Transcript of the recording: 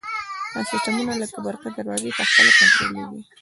دا سیسټمونه لکه برقي دروازې په خپله کنټرولیږي.